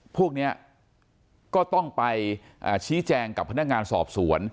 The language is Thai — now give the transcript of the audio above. พวกนี้ก็ต้องไปชี้แจงกับพนักงานสอบสวน